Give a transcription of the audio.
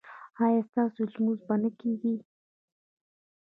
ایا ستاسو لمونځ به نه کیږي؟